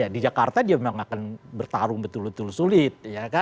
di jakarta dia memang akan bertarung betul betul sulit